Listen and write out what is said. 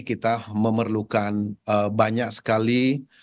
kita memerlukan banyak sekali